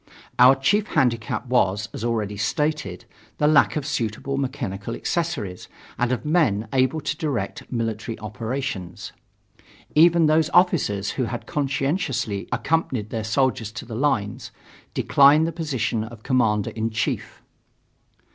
Our chief handicap was, as already stated, the lack of suitable mechanical accessories and of men able to direct military operations. Even those officers who had conscientiously accompanied their soldiers to the lines, declined the position of Commander in Chief.